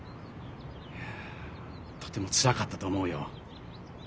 とてもつらかったと思うよ。